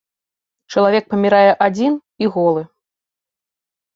Чалавек памірае адзін і голы.